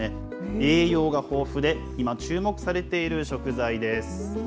栄養が豊富で、今、注目されている食材です。